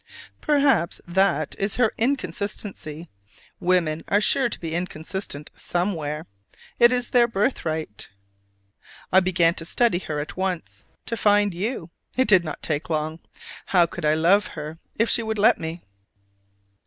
Perhaps that is her inconsistency: women are sure to be inconsistent somewhere: it is their birthright. I began to study her at once, to find you: it did not take long. How I could love her, if she would let me!